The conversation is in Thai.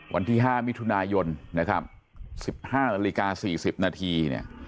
วันที่๕มิถุนายน๑๕นาฬิกา๔๐นาที